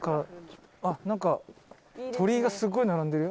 「あっなんか鳥居がすごい並んでるよ」